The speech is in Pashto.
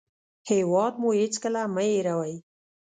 هېواد مو هېڅکله مه هېروئ